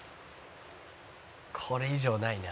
「これ以上ないな」